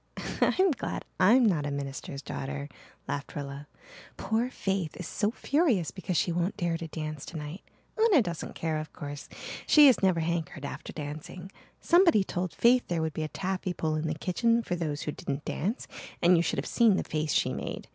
"I'm glad I'm not a minister's daughter," laughed Rilla. "Poor Faith is so furious because she won't dare to dance tonight. Una doesn't care, of course. She has never hankered after dancing. Somebody told Faith there would be a taffy pull in the kitchen for those who didn't dance and you should have seen the face she made.